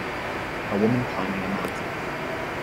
A woman climbing a mountain.